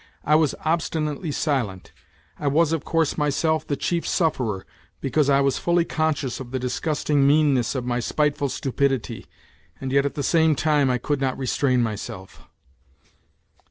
I was obstinately silent. I was, of course, myself the chief sufferer, because I was fully conscious of the disgusting meanness of my spiteful stupidity, and yet at the same time I could not restrain myself.